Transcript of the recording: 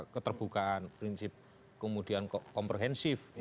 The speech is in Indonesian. keterbukaan prinsip kemudian komprehensif